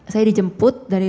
saya dijemput dari